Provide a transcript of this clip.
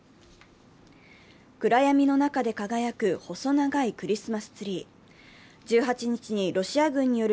暗闇の中で輝く細長いクリスマスツリー。